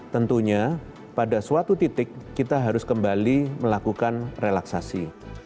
tentunya pada suatu titik kita harus kembali melakukan relaksasi